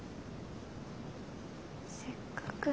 せっかく。